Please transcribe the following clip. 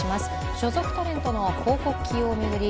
所属タレントの広告起用を巡り